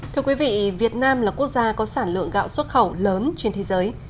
thưa quý vị việt nam là quốc gia có sản lượng gạo xuất khẩu lớn trên thế giới